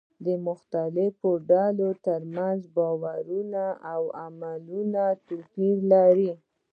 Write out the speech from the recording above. د مختلفو ډلو ترمنځ باورونه او عملونه توپير لري.